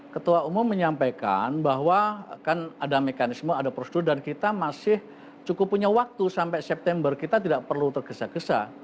ketua umum menyampaikan bahwa kan ada mekanisme ada prosedur dan kita masih cukup punya waktu sampai september kita tidak perlu tergesa gesa